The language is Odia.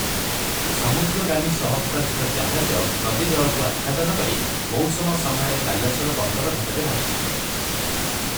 ସମୁଦ୍ରଗାମୀ ସହସ୍ରାଧିକ ଜାହାଜ ନଦୀ ଜଳକୁ ଆଚ୍ଛାଦନ କରି ମଉସମ ସମୟରେ ବାଲେଶ୍ୱର ବନ୍ଦର ଘାଟରେ ଭାସୁଥିଲେ ।